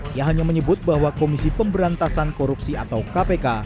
dia hanya menyebut bahwa komisi pemberantasan korupsi atau kpk